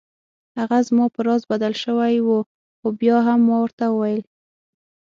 هغه زما په راز بدل شوی و خو بیا هم ما ورته وویل.